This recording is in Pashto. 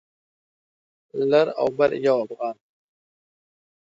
لر او بر یو افغان